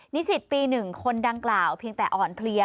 นิสิตปี๑คนดังกล่าวเพียงแต่อ่อนเพลีย